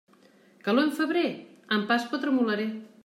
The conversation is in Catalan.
Calor en febrer? En Pasqua tremolaré.